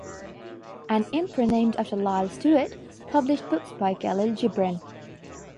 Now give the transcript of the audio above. An imprint named after Lyle Stuart published books by Kahlil Gibran.